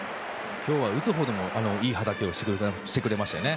今日は打つほうでもいい働きをしてくれましたね。